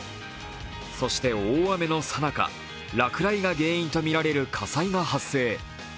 そして、大雨のさなか、落雷が原因とみられる火災が発生。